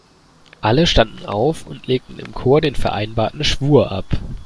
Alle standen auf und legten im Chor den vereinbarten Schwur ab.